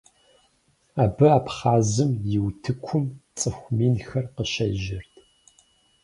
Абы Абхъазым и утыкум цӏыху минхэр къыщежьэрт.